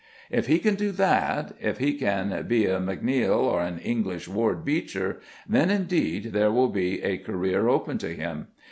If he can do that, if he can be a M'Neale or an English Ward Beecher, then, indeed, there will be a career open to him.